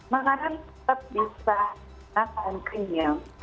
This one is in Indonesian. makanan tetap bisa makan kriminal